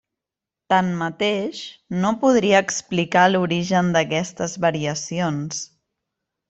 Tanmateix, no podria explicar l'origen d'aquestes variacions.